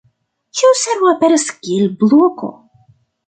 Ĉiu servo aperas kiel bloko.